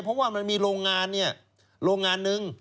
เพราะว่ามันมีโรงงานเนี่ยโรงงานนึง